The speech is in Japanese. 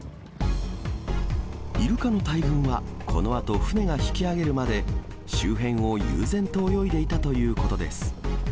イルカの大群はこのあと船が引き揚げるまで、周辺を悠然と泳いでいたということです。